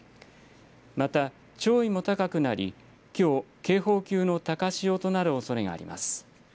また潮位も高くなり、きょう、警報級の高潮となるおそれがあります。